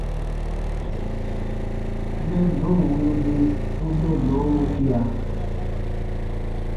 Mɛnnɔn wirugii u mɛnnɔ wukia.